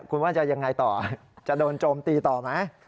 คุณว่าจะยังไงต่อจะโดนโจมตีต่อไหม